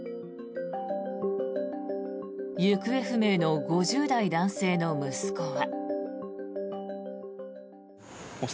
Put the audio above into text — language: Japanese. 行方不明の５０代男性の息子は。